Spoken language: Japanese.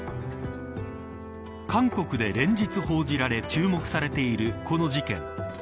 韓国で連日報じられ注目されているこの事件。